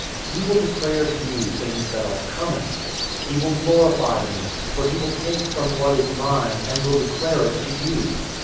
He will declare to you things that are coming. 016:014 He will glorify me, for he will take from what is mine, and will declare it to you.